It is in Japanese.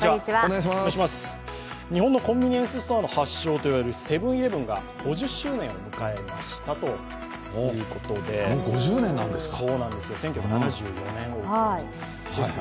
日本のコンビニエンスストアの発祥といわれるセブン−イレブンが５０周年を迎えましたということで、１９７４年です。